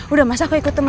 udah mas aku ikut temen